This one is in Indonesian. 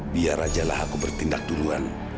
biar ajalah aku bertindak duluan